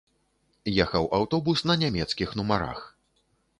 Ехаў аўтобус на нямецкіх нумарах.